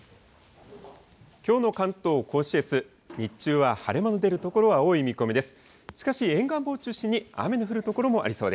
きょうの関東甲信越、日中は晴れ間の出る所が多い見込みです。